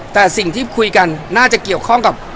แต่สิ่งที่คุยกันน่าจะเกี่ยวข้องกับ